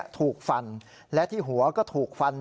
ถูกฟันและที่หัวก็ถูกฟัน